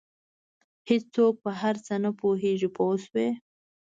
هېڅوک په هر څه نه پوهېږي پوه شوې!.